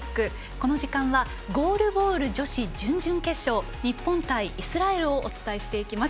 この時間はゴールボール女子準々決勝日本対イスラエルをお伝えしていきます。